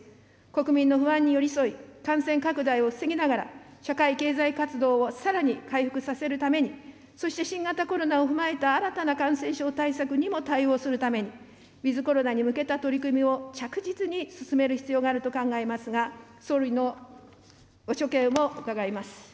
国民の不安に寄り添い、感染拡大を防ぎながら、社会経済活動をさらに回復させるために、そして新型コロナを踏まえた新たな感染症対策にも対応するために、ウィズコロナに向けた取り組みを着実に進める必要があると考えますが、総理のご所見を伺います。